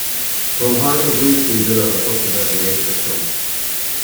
Táim thar a bheith buíoch daoibh uile as ucht a bheith ag éisteacht liom